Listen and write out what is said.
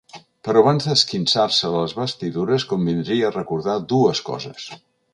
Però abans d’esquinçar-se les vestidures convindria recordar dues coses.